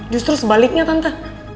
justru sebaliknya tante